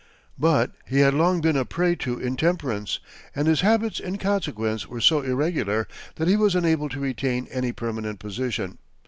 But he had long been a prey to intemperance, and his habits in consequence were so irregular that he was unable to retain any permanent position.